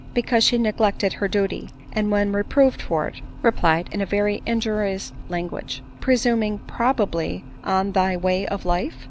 " Because she neglected her duty, and, when reproved for it, replied in very injurious language." " Presuming probably on thy way of life